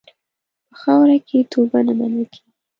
په خاوره کې توبه نه منل کېږي.